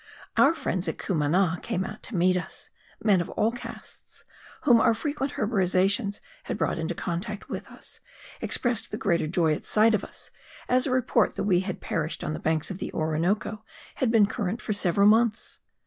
Our friends at Cumana came out to meet us: men of all castes, whom our frequent herborizations had brought into contact with us, expressed the greater joy at sight of us, as a report that we had perished on the banks of the Orinoco had been current for several months.